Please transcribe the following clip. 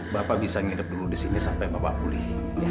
bapak bisa ngidep dulu di sini sampai bapak pulih